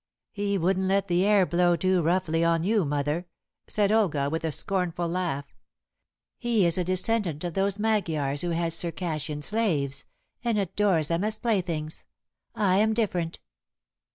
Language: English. "He wouldn't let the air blow too roughly on you, mother," said Olga, with a scornful laugh. "He is a descendant of those Magyars who had Circassian slaves, and adores them as playthings. I am different."